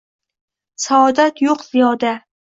Saodat yo’q ziyoda!»